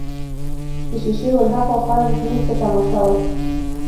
د شېشې ورهاخوا خلک زموږ په تماشه ول.